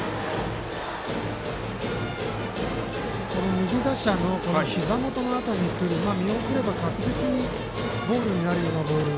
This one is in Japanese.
右打者のひざ元辺りにくる見送れば確実にボールになるようなボール。